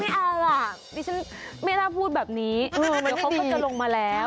นี่อะไรล่ะดิฉันไม่น่าพูดแบบนี้เหมือนเขาก็จะลงมาแล้ว